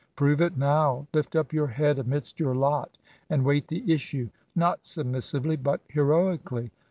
Prove it now. Lift up your head amidst your lot, and wait the issue — ^not submissively, but heroically.